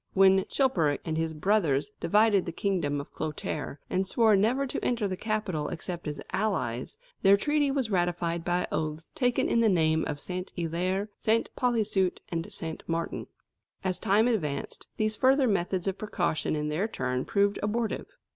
When Chilperic and his brothers divided the kingdom of Clotaire, and swore never to enter the capital except as allies, their treaty was ratified by oaths taken in the name of Saint Hilaire, Saint Policeute, and Saint Martin. As time advanced, these further methods of precaution in their turn proved abortive.